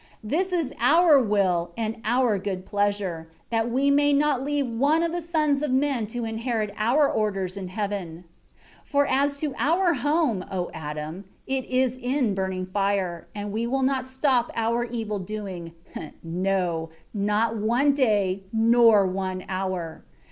9 This is our will and our good pleasure, that we may not leave one of the sons of men to inherit our orders in heaven. 10 For as to our home, O Adam, it is in burning fire; and we will not stop our evil doing, no, not one day nor one hour.